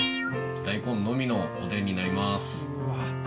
大根のみのおでんになります。